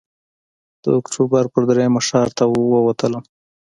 د اکتوبر پر درېیمه ښار ته ووتلم.